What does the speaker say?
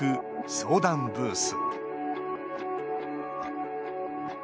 相談ブース